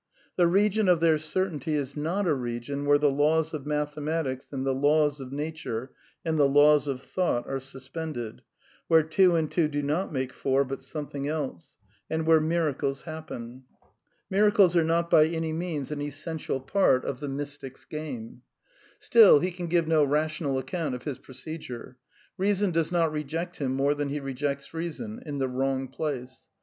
^ The region of their certainty is not a region where the laws of mathematics, and the laws of nature, and the laws of thought are suspended ; where two and two do not make, four, but something else; and where miracles happen. Miracles are not by any means an essential part of the 242 A DEFENCE OF IDEALISM mystic's game. Still, he can give no rational account of his procedure. Beason does not reject him more than he rejects reason — in the wrong place.